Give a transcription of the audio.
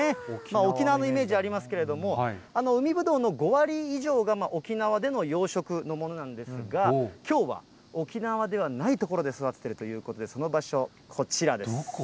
沖縄のイメージありますけれども、海ぶどうの５割以上が沖縄での養殖のものなんですが、きょうは沖縄ではない所で育てているということで、その場所、どこ？